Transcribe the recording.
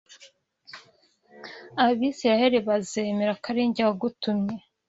Abisirayeli bazemera ko ari jye wagutumye